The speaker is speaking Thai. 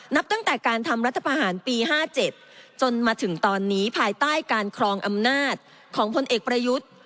นับตั้งแต่การทำรัฐประหารปี๕๗จนมาถึงตอนนี้ภายใต้การครองอำนาจของพลเอกประยุทธ์